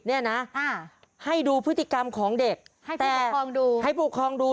เนี่ยนะให้ดูพฤติกรรมของเด็กให้ผู้ปกครองดูให้ผู้ครองดู